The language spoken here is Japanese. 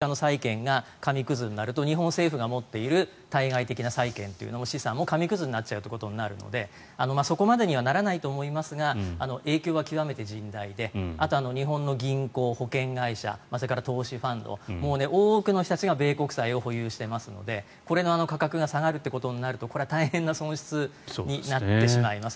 日本政府が保有している外貨準備の大半は米国債で運用されていますので極論するとデフォルトでアメリカの債券が紙くずになると日本政府が持っている対外的な債権というのも資産も紙くずになるということになるのでそこまでにはならないと思いますが影響は極めて甚大であとは日本の銀行、投資会社それから投資ファンド多くの人たちが米国債を保有していますのでこの価格が下がるとなるとこれは大変な損失になってしまいます。